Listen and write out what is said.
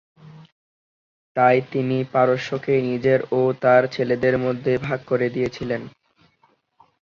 তাই তিনি পারস্যকে নিজের ও তার ছেলেদের মধ্যে ভাগ করে দিয়েছিলেন।